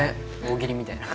大喜利みたいな。